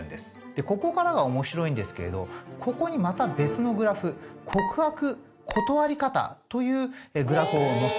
ここからが面白いんですけれどここにまた別のグラフ「告白断り方」というグラフをのせてみましょう。